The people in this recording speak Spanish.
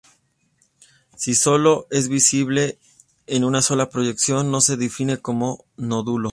Si solo es visible en una proyección no se define como nódulo.